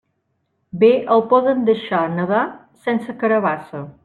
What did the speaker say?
Bé el poden deixar nadar sense carabassa.